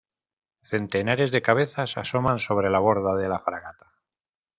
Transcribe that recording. centenares de cabezas asoman sobre la borda de la fragata